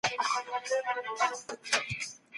چې د عشق کعبه په وينو تکه سره شي